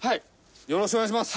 よろしくお願いします。